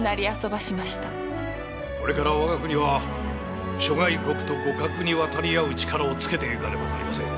これから我が国は諸外国と互角に渡り合う力をつけていかねばなりません。